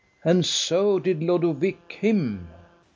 And so did Lodowick him.